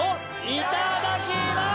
いただきます！